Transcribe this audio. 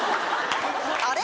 あれ？